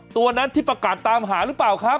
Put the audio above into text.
ตัวนั้นที่ประกาศตามหาหรือเปล่าครับ